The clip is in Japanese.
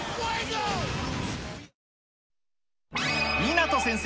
湊先生